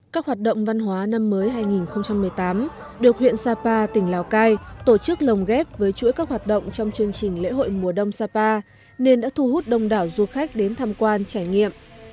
các hoạt động văn hóa năm mới hai nghìn một mươi tám được huyện sapa tỉnh lào cai tổ chức lồng ghép với chuỗi các hoạt động trong chương trình lễ hội mùa đông sapa nên đã thu hút đông đảo du khách đến tham quan trải nghiệm